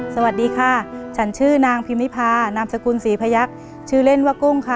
สวัสดีค่ะฉันชื่อนางพิมิพานามสกุลศรีพยักษ์ชื่อเล่นว่ากุ้งค่ะ